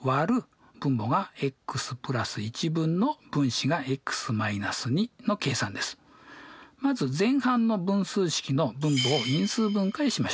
次は２問目のまず前半の分数式の分母を因数分解しましょう。